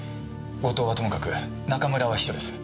後藤はともかく中村は秘書です。